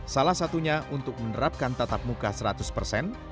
salah satunya untuk menerapkan tatap muka seratus persen